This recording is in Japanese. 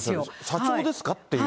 社長ですかっていう。